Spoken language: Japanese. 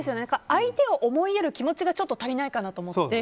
相手を思いやる気持ちが足りないかなと思って。